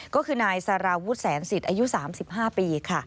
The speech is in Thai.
ก็คือนายสารวุฒิแสนศิษย์อายุ๓๕ปีค่ะ